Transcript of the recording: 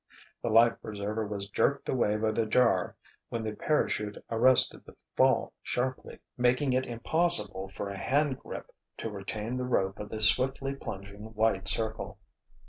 The life preserver was jerked away by the jar when the parachute arrested the fall sharply, making it impossible for a handgrip to retain the rope of the swiftly plunging white circle.